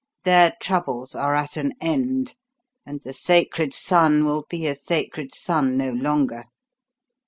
Their troubles are at an end, and the sacred son will be a sacred son no longer."